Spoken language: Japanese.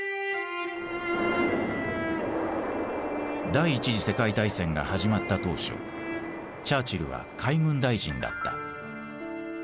第一次世界大戦が始まった当初チャーチルは海軍大臣だった。